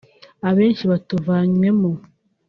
Abenshi batuvanywemo